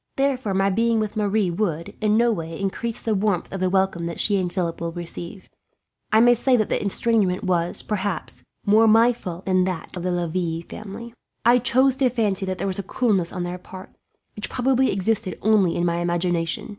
Therefore my being with Marie would, in no way, increase the warmth of the welcome that she and Philip will receive. I may say that the estrangement was, perhaps, more my fault than that of the Lavilles. I chose to fancy there was a coolness on their part, which probably existed only in my imagination.